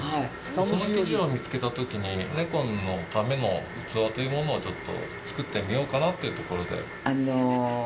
その記事を見つけたときに猫のための器というものをちょっと作ってみようかなというところで。